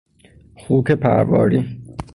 خوک پرواری